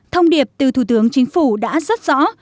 thông điệp từ thủ tướng chính phủ đã rất rõ